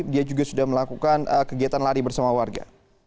dia juga sudah melakukan kegiatan lari bersama warga